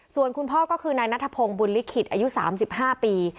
ส่วนคุณพ่อก็คือนายนัทพงศ์บุญลิขิตอายุ๓๕ปี